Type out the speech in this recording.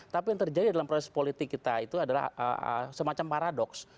tapi yang terjadi dalam proses politik kita itu adalah semacam paradoks